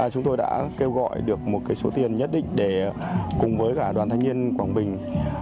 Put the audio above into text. chúng tôi đã kêu gọi được một số tiền nhất định để cùng với cả đoàn thanh niên quảng bình